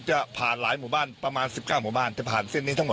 จะผ่านหลายหมู่บ้านประมาณ๑๙หมู่บ้าน